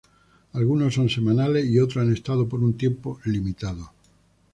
Algunos son semanales y otros han estado por un tiempo limitado.